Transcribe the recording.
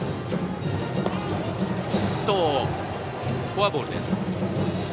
フォアボールです。